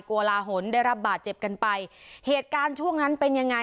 โกลาหลได้รับบาดเจ็บกันไปเหตุการณ์ช่วงนั้นเป็นยังไง